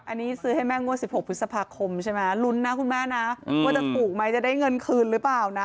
อันนี้ซื้อให้แม่งวด๑๖พฤษภาคมใช่ไหมลุ้นนะคุณแม่นะว่าจะถูกไหมจะได้เงินคืนหรือเปล่านะ